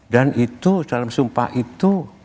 dan itu dalam sumpah itu